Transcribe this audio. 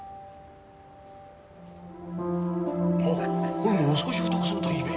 これもう少し太くするといいべ。